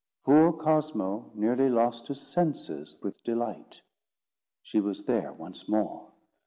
Poor Cosmo nearly lost his senses with delight. She was there once more!